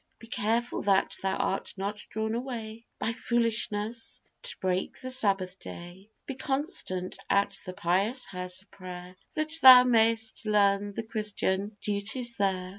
Be careful that thou art not drawn away, By foolishness, to break the Sabbath day; Be constant at the pious house of prayer, That thou mayst learn the christian duties there.